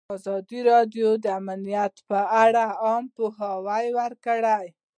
ازادي راډیو د امنیت لپاره عامه پوهاوي لوړ کړی.